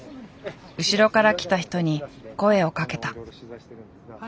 後ろから来た人に声をかけた。